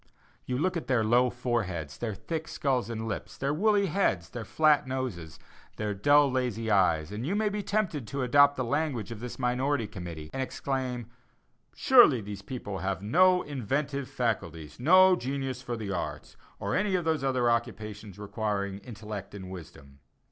You look at their low foreheads, their thick skulls and lips, their woolly heads, their flat noses, their dull, lazy eyes, and you may be tempted to adopt the language of this minority committee, and exclaim: Surely these people have "no inventive faculties, no genius for the arts, or for any of those occupations requiring intellect and wisdom."